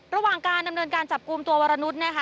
ระหว่างการดำเนินการจับกลุ่มตัววรนุษย์นะคะ